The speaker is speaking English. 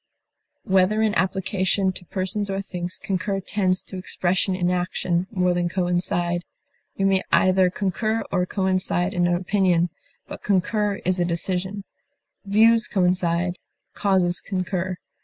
Whether in application to persons or things, concur tends to expression in action more than coincide; we may either concur or coincide in an opinion, but concur in a decision; views coincide, causes concur.